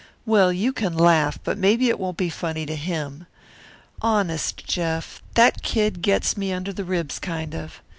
Well, you can laugh, but maybe it won't be funny to him. Honest, Jeff, that kid gets me under the ribs kind of.